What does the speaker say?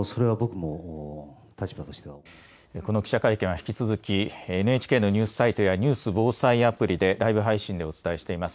この記者会見は引き続き、ＮＨＫのニュースサイトや、ニュース・防災アプリでライブ配信でお伝えしています。